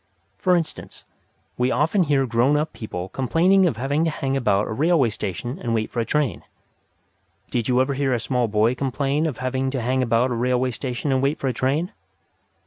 For instance, we often hear grown up people complaining of having to hang about a railway station and wait for a train. Did you ever hear a small boy complain of having to hang about a railway station and wait for a train?